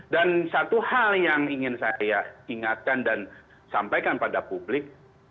dan satu hal yang ingin saya ingatkan dan sampaikan pada publik